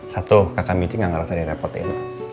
satu kakak michi gak ngerasa direpotin